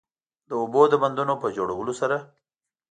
د اوبو د بندونو په جوړولو سره